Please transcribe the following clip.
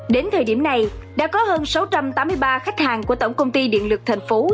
đến thời điểm này đã có hơn sáu trăm tám mươi ba khách hàng của tổng công ty điện lực thành phố